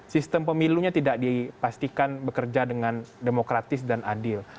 sistem pemilunya tidak dipastikan bekerja dengan demokratis dan adil